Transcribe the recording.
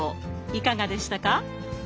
いかがでしたか？